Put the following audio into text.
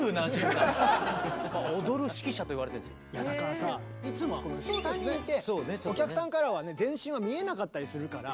だからさいつもは下にいてお客さんからはね全身は見えなかったりするから。